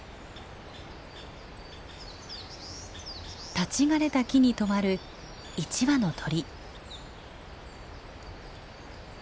立ち枯れた木に止まる一羽の鳥。